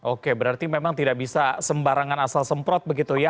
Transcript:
oke berarti memang tidak bisa sembarangan asal semprot begitu ya